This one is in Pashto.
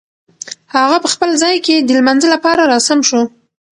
هغه په خپل ځای کې د لمانځه لپاره را سم شو.